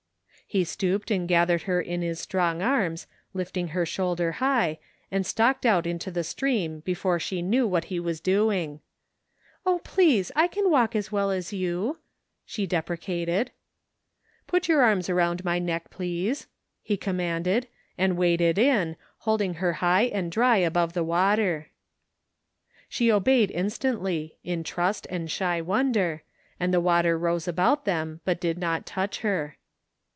He stooped and gathered her in his strong arms, lifting her shoulder high, and stalked out into the stream before she knew what he was doing. "Oh, please, I can walk as well as you," she dqxrecated. "Put your arms around my neck, please," he oonunanded, and waded in, holding her high and dry above the water. She obeyed instantly, in trust and shy wonder, and the water rose about them, but did not touch her.